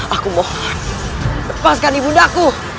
aku mohon lepaskan ibu dami